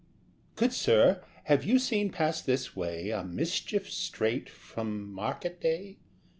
Good sir, have you seen pass this way A mischief straight from market day?